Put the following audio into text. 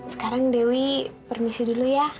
sekarang dewi permisi dulu ya